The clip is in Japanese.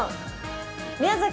宮崎